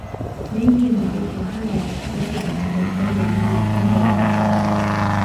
Mengi ya magofu haya yapo katika hifadhi ya mji mkongwe wa Bagamoyo